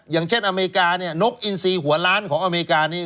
อย่างเช่นอเมริกาเนี่ยนกอินซีหัวล้านของอเมริกานี่